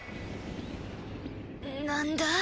何だ？